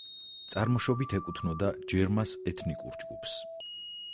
წარმოშობით ეკუთვნოდა ჯერმას ეთნიკურ ჯგუფს.